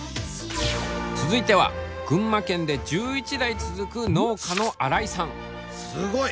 続いては群馬県で１１代続く農家のすごい。